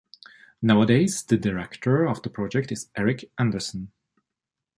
Nowadays the director of the project is Erik Andersen.